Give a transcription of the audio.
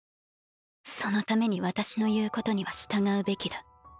そのために私の言うことには従うべきだ」